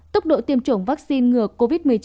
tốc độ tiêm chủng vaccine ngừa covid một mươi chín